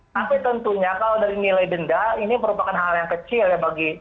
tapi tentunya kalau dari nilai denda ini merupakan hal yang kecil ya bagi